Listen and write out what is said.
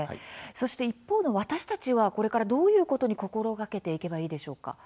そして一方の私たちは、これからどういうことに心がけていけばいいでしょうか？